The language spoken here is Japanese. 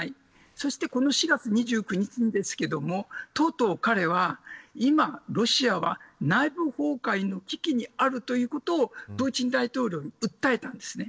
そして、この４月２９日にとうとう彼は、今ロシアは、内部崩壊の危機にあるということをプーチン大統領に訴えたんです。